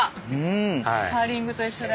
カーリングと一緒で。